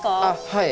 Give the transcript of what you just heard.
はい。